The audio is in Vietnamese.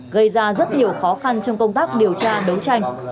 gây ra rất nhiều khó khăn trong công tác điều tra đấu tranh